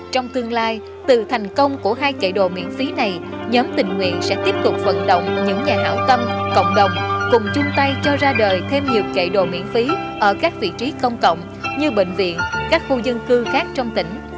trong tương lai từ thành công của hai chạy đồ miễn phí này nhóm tình nguyện sẽ tiếp tục vận động những nhà hảo tâm cộng đồng cùng chung tay cho ra đời thêm nhiều kệ đồ miễn phí ở các vị trí công cộng như bệnh viện các khu dân cư khác trong tỉnh